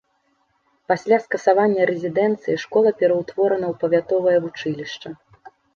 Пасля скасавання рэзідэнцыі школа пераўтворана ў павятовае вучылішча.